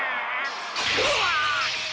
うわ！